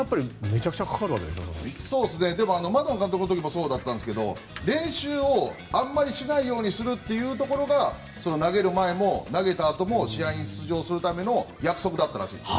マドン監督の時もそうだったんですが練習をあまりしないようにするところが投げる前も投げたあとも試合に出場するための約束だったらしいんです。